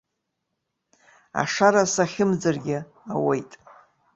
Ашара сахьымӡаргьы ауеит.